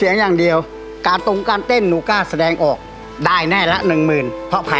เข้าสร้างประเทศวิธี๔๐ประวัติการเข้ามา